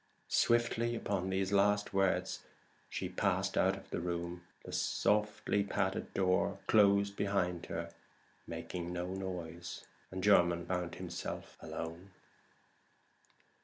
Swiftly upon those last words Mrs. Transome passed out of the room. The softly padded door closed behind her making no noise, and Jermyn found himself alone.